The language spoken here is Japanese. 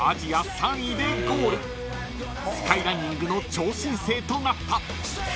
［スカイランニングの超新星となった］